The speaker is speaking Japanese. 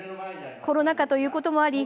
コロナ禍ということもあり